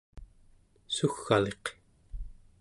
sugg'aliq